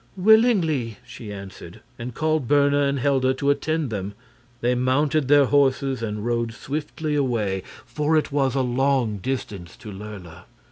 "Willingly," she answered; and calling Berna and Helda to attend them, they mounted their horses and rode swiftly away, for it was a long distance to Lurla.